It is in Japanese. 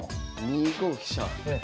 ２五飛車。